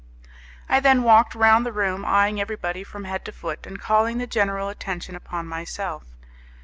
I then walked round the room, eyeing everybody from head to foot, and calling the general attention upon myself.